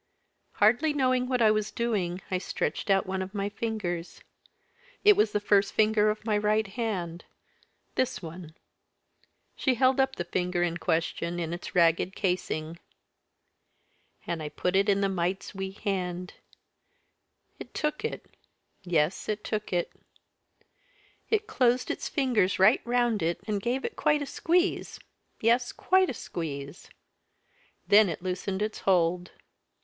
Hardly knowing what I was doing, I stretched out one of my fingers; it was the first finger of my right hand this one." She held up the finger in question in its ragged casing. "And I put it in the mite's wee hand. It took it yes, it took it. It closed its fingers right round it, and gave it quite a squeeze yes, quite a squeeze. Then it loosened its hold.